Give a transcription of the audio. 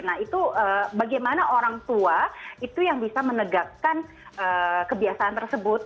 nah itu bagaimana orang tua itu yang bisa menegakkan kebiasaan tersebut